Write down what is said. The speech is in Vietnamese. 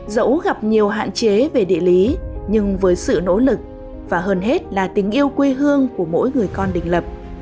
dẫu gặp nhiều hạn chế về địa lý nhưng với sự nỗ lực và hơn hết là tình yêu quê hương của mỗi người con đình lập